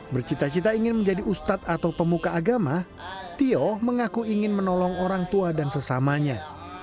bercita cita ingin menjadi ustad atau pemuka agama tio mengaku ingin menolong orang tua dan sesamanya